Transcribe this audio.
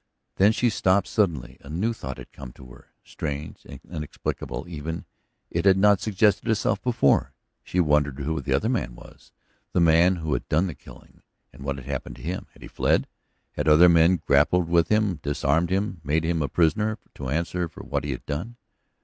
Then she stopped suddenly; a new thought had come to her. Strange, inexplicable even, it had not suggested itself before. She wondered who the other man was, the man who had done the killing. And what had happened to him? Had he fled? Had other men grappled with him, disarmed him, made of him a prisoner to answer for what he had done?